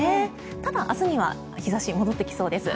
ただ、明日には日差し戻ってきそうです。